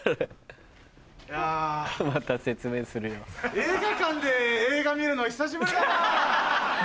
映画館で映画見るの久しぶりだなぁ。